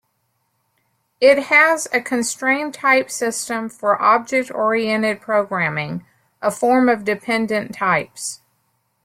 It has a constrained type system for object-oriented programming, a form of dependent types.